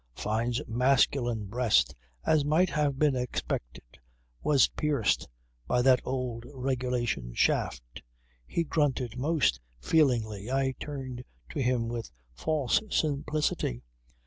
Fyne's masculine breast, as might have been expected, was pierced by that old, regulation shaft. He grunted most feelingly. I turned to him with false simplicity.